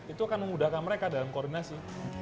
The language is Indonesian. itu akan memudahkan mereka dalam koordinasi